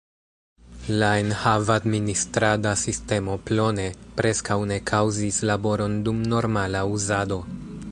La enhav-administrada sistemo Plone preskaŭ ne kaŭzis laboron dum normala uzado.